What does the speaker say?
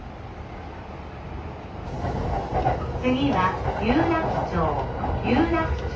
「次は有楽町有楽町。